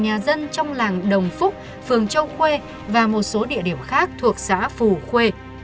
nhà dân trong làng đồng phúc phường châu khuê và một số địa điểm khác thuộc xã phù khuê